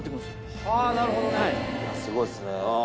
すごいっすね。